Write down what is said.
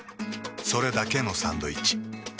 それだけのサンドイッチ。